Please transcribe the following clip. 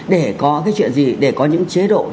để có cái chuyện gì để có những chế độ